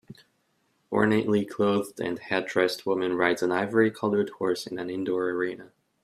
Ornately clothed and headdressed woman rides an ivory colored horse in an indoor arena